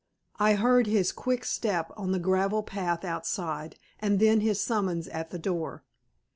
I heard his quick step on the gravel path outside and then his summons at the door.